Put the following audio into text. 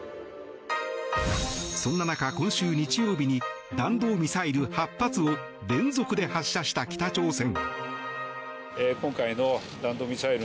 そんな中、今週日曜日に弾道ミサイル８発を連続で発射した北朝鮮。